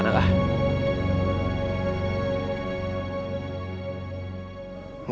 aku mau ke jakarta